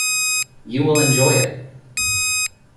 You will enjoy it.